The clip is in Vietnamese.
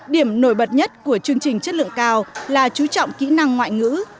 điểm nổi bật nhất của chương trình chất lượng cao là chú trọng kỹ năng ngoại ngữ